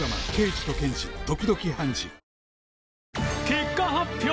結果発表！